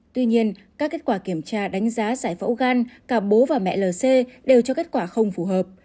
tuy nhiên các kết quả kiểm tra đánh giá giải phẫu gan cả bố và mẹ lc đều cho kết quả không phù hợp